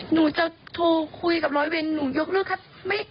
หนูจะโทรคุยกับร้อยเวรหนูยกเลิกครับ